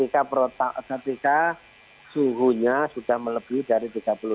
ketika suhunya sudah melebih dari tiga puluh deraja